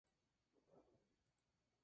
A ambos les une su aversión al trabajo.